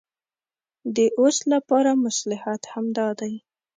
د اوس لپاره مصلحت همدا دی.